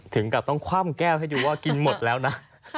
ถึงกับต้องคว่ำแก้วให้ดูว่ากินหมดแล้วนะ